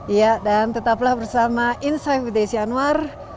iya dan tetaplah bersama insight with desi anwar